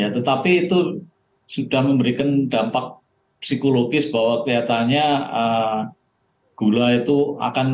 tetapi itu sudah memberikan dampak psikologis bahwa kelihatannya gula itu akan